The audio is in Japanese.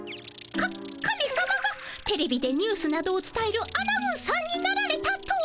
カカメさまがテレビでニュースなどをつたえるアナウンサーになられたと？